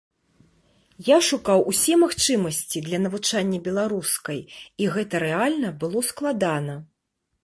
Я шукаў усе магчымасці для навучання беларускай, і гэта рэальна было складана.